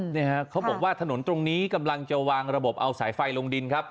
นี่ฮะเขาบอกว่าถนนตรงนี้กำลังจะวางระบบเอาสายไฟลงดินครับ